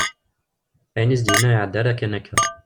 Ayen i as-d-yenna ur iɛedda ara kan akka.